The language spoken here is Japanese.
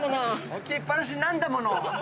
置きっぱなしなんだもの！